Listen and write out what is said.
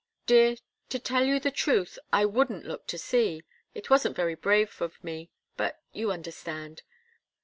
"Dear to tell you the truth, I wouldn't look to see. It wasn't very brave of me but you understand."